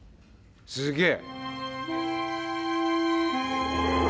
すげえ！